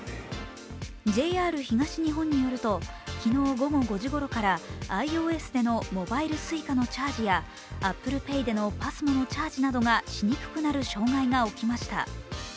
ＪＲ東日本によると昨日午後５時ごろからｉＯＳでのモバイルＳｕｉｃａのチャージやＡｐｐｌｅＰａｙでのＰＡＳＭＯのチャージなどがしにくくなる障害が起きました。